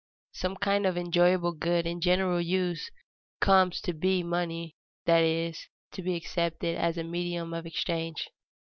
_Some kind of enjoyable good in general use comes to be money, that is, to be accepted as a medium of exchange.